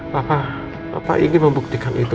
papa papa ingin membuktikan itu